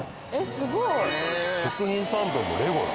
すごい！食品サンプルもレゴだ。